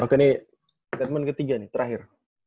oke ini statement ketiga nih terakhir